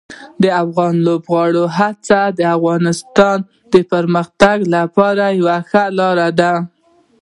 د افغان لوبغاړو هڅې د افغانستان د پرمختګ لپاره یوه ښه لار ده.